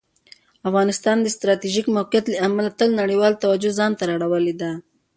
افغانستان د ستراتیژیک موقعیت له امله تل د نړیوالو توجه ځان ته اړولي ده.